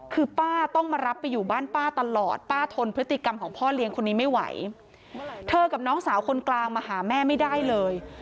คนนี้ไม่ไหวเธอกับน้องสาวคนกลางมาหาแม่ไม่ได้เลย